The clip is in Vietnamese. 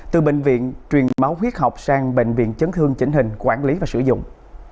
từ bệnh viện truyền máu huyết học sang bệnh viện chấn thương chỉnh hình quản lý và sử dụng